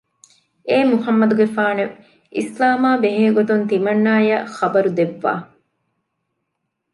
އޭ މުޙައްމަދުގެފާނެވެ! އިސްލާމާ ބެހޭ ގޮތުން ތިމަންނާއަށް ޚަބަރު ދެއްވާ